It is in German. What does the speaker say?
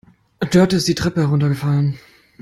Dörte ist die Treppe heruntergefallen.